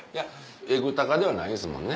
エグ高ではないですもんね？